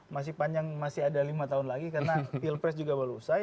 masih panjang masih ada lima tahun lagi karena pilpres juga baru usai